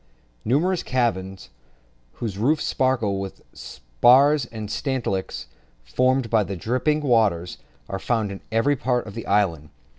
Numerous caverns, whose roofs sparkle with the spars and stalactites formed by the dripping water, are found in every part of the islands.